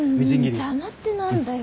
うーん邪魔ってなんだよ。